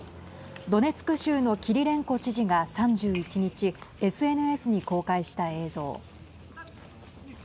ドネツク州のキリレンコ知事が３１日ＳＮＳに公開した映像。